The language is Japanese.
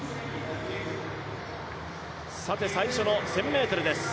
最初の１０００ｍです。